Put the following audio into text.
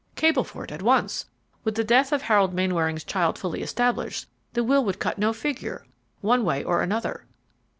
"Cable for it at once; with the death of Harold Mainwaring's child fully established, the will would cut no figure, one way or another."